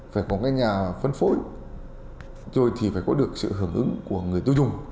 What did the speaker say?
phải có cái nhà phân phối rồi thì phải có được sự hưởng ứng của người tiêu dùng